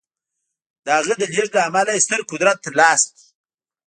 د هغه د لېږد له امله یې ستر قدرت ترلاسه کړ